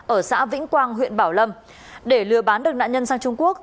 ở xã vĩnh quang huyện bảo lâm để lừa bán được nạn nhân sang trung quốc